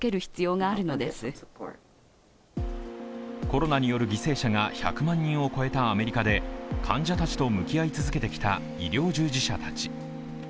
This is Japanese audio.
コロナによる犠牲者が１００万人を超えたアメリカで患者たちと向き合い続けてきた医療従事者たち。